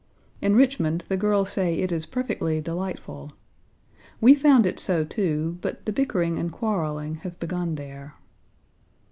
In Richmond the girls say it is perfectly delightful. We found it so, too, but the bickering and quarreling have begun there.